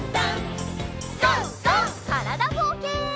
からだぼうけん。